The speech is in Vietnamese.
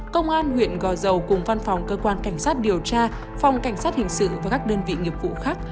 công an huyện gò dầu cùng văn phòng cơ quan cảnh sát điều tra phòng cảnh sát hình sự và các đơn vị nghiệp vụ khác